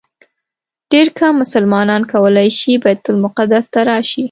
ډېر کم مسلمانان کولی شي بیت المقدس ته راشي.